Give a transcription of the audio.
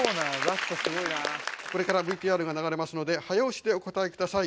これからＶＴＲが流れますので早押しでお答え下さい。